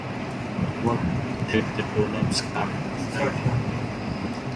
What did the torn-up scrap of writing mean?